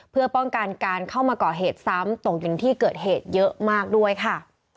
เพื่อป้องกันการเข้ามาก่อเหตุซ้ำตกอยู่ในที่เกิดเหตุเยอะมากด้วยค่ะ